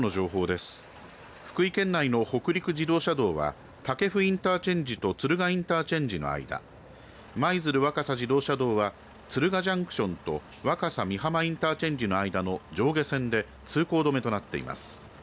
福井県内の北陸自動車道は武生インターチェンジと敦賀インターチェンジの間舞鶴若狭自動車道は敦賀ジャンクションと若狭美浜インターチェンジの間の上下線で通行止めとなっています。